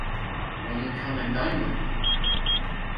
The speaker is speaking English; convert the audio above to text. Will you come and dine with me?